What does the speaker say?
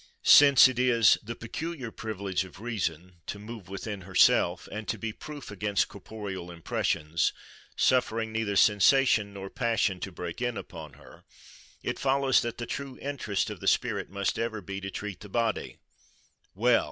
Since it is "the peculiar privilege of reason to move within herself, and to be proof against corporeal impressions, suffering neither sensation nor passion to break in upon her," it follows that the true interest of the spirit must ever be to treat the body—Well!